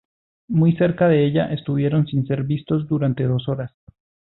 Muy cerca de ella, estuvieron sin ser vistos durante dos horas.